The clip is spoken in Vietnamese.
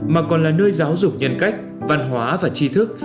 mà còn là nơi giáo dục nhân cách văn hóa và chi thức